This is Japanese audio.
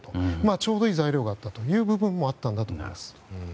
ちょうどいい材料があったという部分もあったんだと思います。